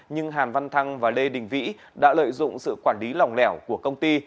nhưng hàn văn thăng và lê đình vĩ đã lợi dụng sự quản lý lòng lẻo của công ty